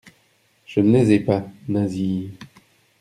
Je ne les ai pas, Nasie.